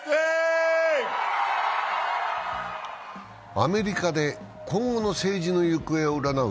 アメリカで今後の政治の行方を占う